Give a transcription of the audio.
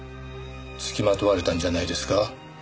つきまとわれたんじゃないですか？